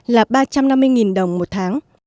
là ba trăm năm mươi đồng một tháng